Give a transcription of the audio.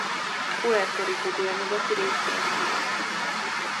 Puerto Rico délnyugati részén honos.